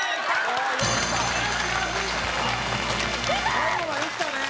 最後までいったね。